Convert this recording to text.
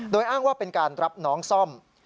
โดยอ้างว่าเป็นการรับน้องซ่อม